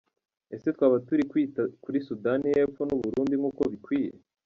Ese twaba turi kwita kuri Sudani y’Epfo n’u Burundi nk’uko bikwiye?”.